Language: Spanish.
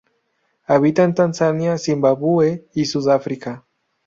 Habita en Tanzania, Zimbabue y Sudáfrica.